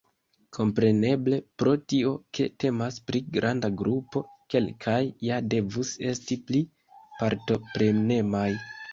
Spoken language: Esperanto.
Kompreneble, pro tio, ke temas pri granda grupo, kelkaj ja devus esti pli partoprenemaj.